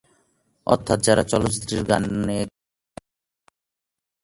অর্থাৎ যারা চলচ্চিত্রের গানে কণ্ঠ দেন।